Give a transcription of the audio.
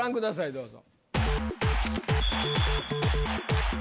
どうぞ。